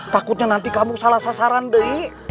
takutnya nanti kamu salah sasaran dewi